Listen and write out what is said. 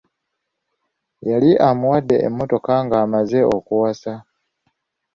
Yali amuwadde emmotoka ng'amaze okuwasa.